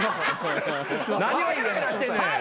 何をヘラヘラしてんねん。